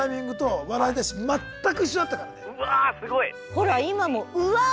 ほら今も「うわ」が。